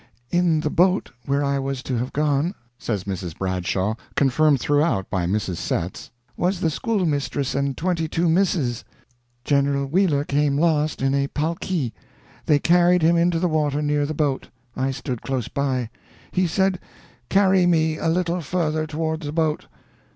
'In the boat where I was to have gone,' says Mrs. Bradshaw, confirmed throughout by Mrs. Setts, 'was the school mistress and twenty two misses. General Wheeler came last in a palkee. They carried him into the water near the boat. I stood close by. He said, 'Carry me a little further towards the boat.'